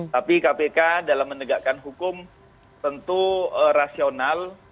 tapi kpk dalam menegakkan hukum tentu rasional